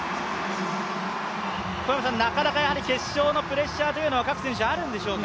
小山さん、なかなか決勝のプレッシャーというのはあるんでしょうか？